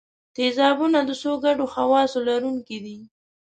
تیزابونه د څو ګډو خواصو لرونکي دي.